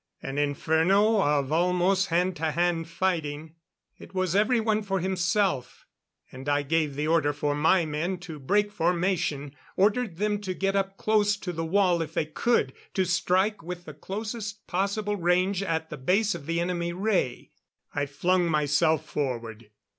An inferno of almost hand to hand fighting. It was everyone for himself; and I gave the order for my men to break formation. Ordered them to get up close to the wall if they could ... to strike, with the closest possible range at the base of the enemy ray.... I flung myself forward.